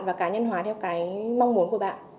và cá nhân hóa theo mong muốn của bạn